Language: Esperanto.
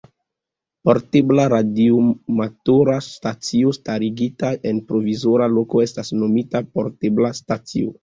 Portebla radioamatora stacio starigita en provizora loko estas nomita portebla stacio.